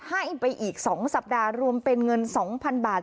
ให้ไปอีกสองสัปดาห์รวมเป็นเงินสองพันบาท